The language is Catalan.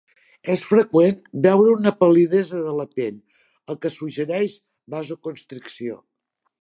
És freqüent veure una pal·lidesa de la pell, el que suggereix vasoconstricció.